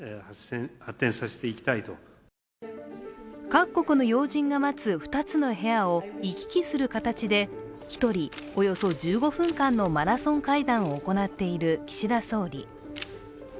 各国の要人が待つ２つの部屋を行き来する形で１人およそ１５分間のマラソン会談を行っている岸田総理。